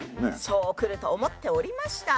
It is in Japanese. そうくると思っておりました。